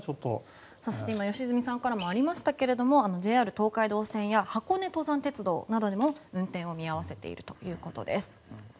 良純さんからもありましたけどＪＲ東海道線や箱根登山鉄道などでも運転を見合わせているということです。